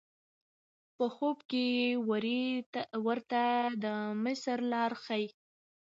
په خوب کې وری ورته د مصر لار ښیي.